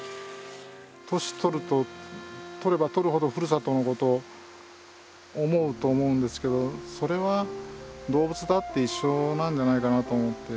年取れば取るほどふるさとのことを思うと思うんですけどそれは動物だって一緒なんじゃないかなと思って。